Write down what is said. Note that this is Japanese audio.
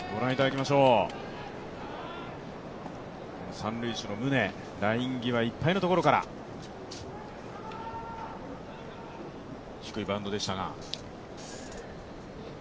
３塁手の宗、ライン際いっぱいのところから低いバウンドでしたが。